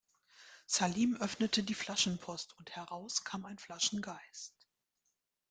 Salim öffnete die Flaschenpost und heraus kam ein Flaschengeist.